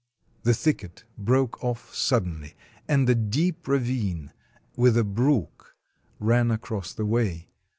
The thicket broke off suddenly, and a deep ravine with a brook ran across the way.